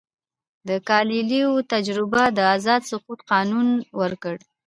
د ګالیلیو تجربه د آزاد سقوط قانون ورکړ.